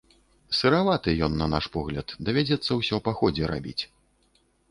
Сыраваты ён, на наш погляд, давядзецца ўсё па ходзе рабіць.